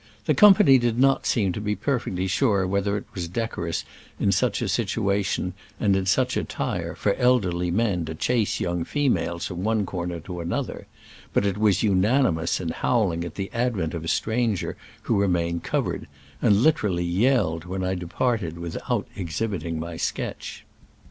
The company did not seem to be perfectly sure whether it was decorous in such a situation and in such attire for elderly men to chase young females from one corner to another, but it was unanimous in howling at the ad vent of a stranger who remained cov ered, and literally yelled when I depart ed without exhibiting my sketch.